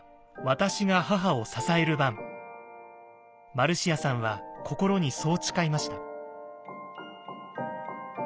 マルシアさんは心にそう誓いました。